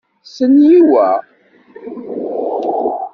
Stenyi wa.